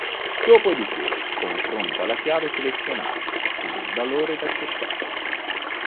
Dopodiché confronta la chiave selezionata con il valore da cercare.